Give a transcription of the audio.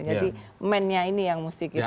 jadi mennya ini yang mesti kita